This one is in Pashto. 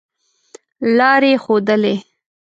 لاري ښودلې.